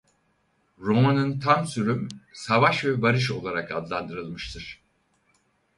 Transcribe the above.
Roman'ın tam sürüm "Savaş ve Barış" olarak adlandırılmıştır.